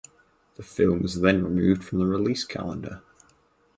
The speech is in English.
The film was then removed from the release calendar.